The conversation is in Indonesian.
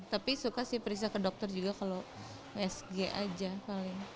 tapi suka sih periksa ke dokter juga kalau usg aja paling